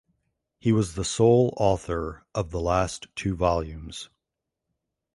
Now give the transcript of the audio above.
He was the sole author of the last two volumes.